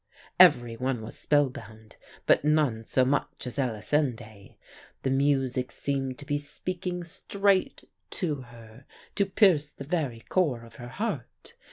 "Everyone was spellbound, but none so much as Elisinde. The music seemed to be speaking straight to her, to pierce the very core of her heart.